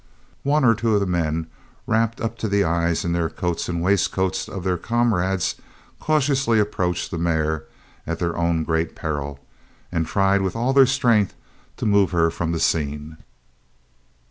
One or two of the men, wrapped up to the eyes in the coats and waistcoats of their comrades, cautiously approached the mare at their own great peril, and tried with all their strength to move her from the scene.